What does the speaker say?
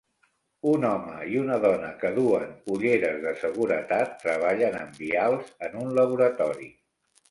Un home i una dona que duen ulleres de seguretat treballen amb vials en un laboratori.